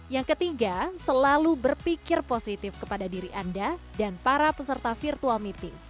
yang ketiga selalu berpikir positif kepada diri anda dan para peserta virtual meeting